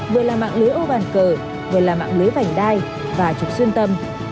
vừa là mạng lưới ô bàn cờ vừa là mạng lưới vành đai và trục xuyên tâm